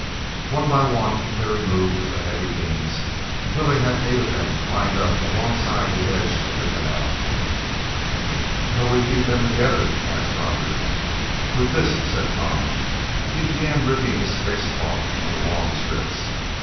One by one, they removed the heavy beams, until they had eight of them lined up alongside the edge of the canal. "How do we keep them together?" asked Roger. "With this!" said Tom. He began ripping his space cloth into long strips.